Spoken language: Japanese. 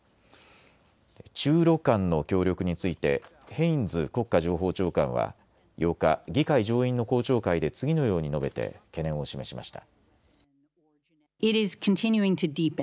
中ロ間の協力についてヘインズ国家情報長官は８日、議会上院の公聴会で次のように述べて懸念を示しました。